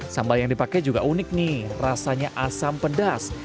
sambal yang dipakai juga unik nih rasanya asam pedas